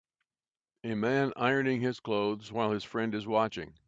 A man ironing his clothes while his friend is watching.